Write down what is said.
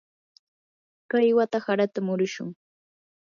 kay wata harata murushun.